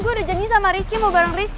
gue udah janji sama rizky mau bareng rizky